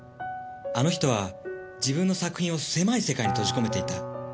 あの人は自分の作品を狭い世界に閉じ込めていた。